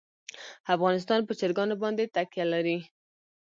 افغانستان په چرګان باندې تکیه لري.